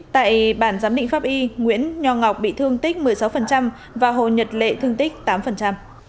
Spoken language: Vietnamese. tại bản giám định pháp y nguyễn nho ngọc bị thương tích một mươi sáu và hồ nhật lệ thương tích tám